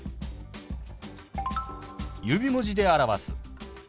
指文字で表す。